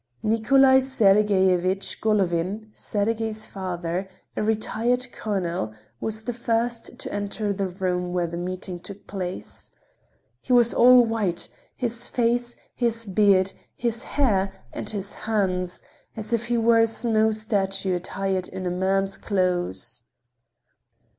Nikolay Sergeyevich Golovin, Sergey's father, a retired colonel, was the first to enter the room where the meeting took place. He was all white—his face, his beard, his hair, and his hands—as if he were a snow statue attired in man's clothes.